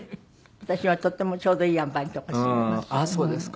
私はとってもちょうどいいあんばいの所に住んでいます。